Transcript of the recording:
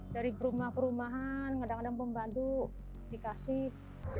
dari perumahan perumahan kadang kadang pembantu dikasih